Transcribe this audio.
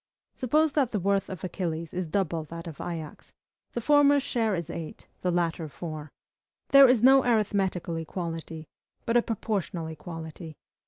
Suppose that the worth of Achilles is double that of Ajax: the former's share is eight, the latter four. There is no arithmetical equality, but a proportional equality.